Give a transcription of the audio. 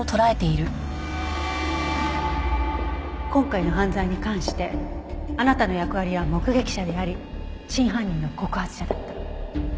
今回の犯罪に関してあなたの役割は目撃者であり真犯人の告発者だった。